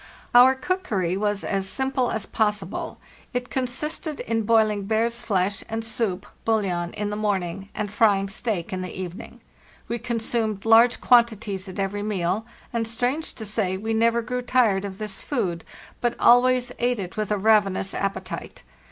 Our cookery was as simple as possible. It consisted in boiling bear's flesh and soup (bouillon) in the morn ing and frying steak in the evening. We consumed large quantities at every meal, and, strange to say, we never grew tired of this food, but always ate it with a ravenous appetite.